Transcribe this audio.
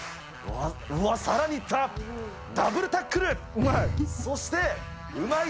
うわっ、さらにいった、ダブルタうまい！